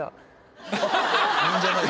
「いいんじゃない？